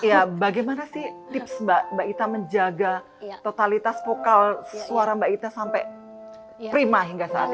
ya bagaimana sih tips mbak ita menjaga totalitas vokal suara mbak ita sampai prima hingga saat ini